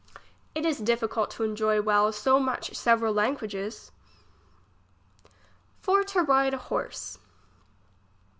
It is difficult to enjoy well so much several Ian gages. For to ride a horse.